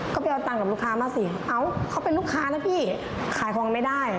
ก็ไปเอาตังค์กับลูกค้ามาสิเอ้าเขาเป็นลูกค้านะพี่ขายของไม่ได้